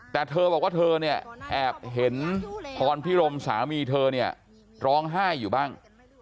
แต่เธอบอกว่าเธอเนี่ยแอบเห็นพรพิรมสามีเธอเนี่ยร้องไห้อยู่บ้าง